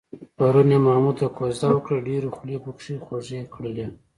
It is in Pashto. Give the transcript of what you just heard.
پرون یې محمود ته کوزده وکړله، ډېرو خولې پکې خوږې کړلې.